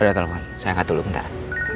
udah telfon saya akan tanya